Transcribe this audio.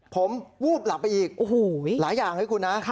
ผมวูบหลับไปอีกหลายอย่างเลยคุณนะ